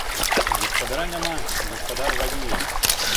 Гаспадара няма, гаспадар ваюе.